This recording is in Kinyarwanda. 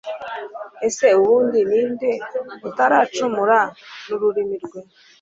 ese ubundi ni nde utaracumura n'ururimi rwe